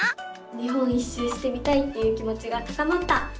日本一周してみたいっていう気もちが高まった！